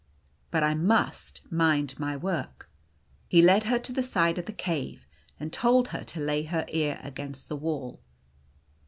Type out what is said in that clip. " But I must mind my work." He led her to the side of the cave, and told her to lay her ear against the wall.